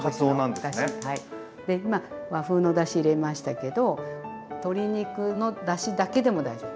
で今和風のだし入れましたけど鶏肉のだしだけでも大丈夫。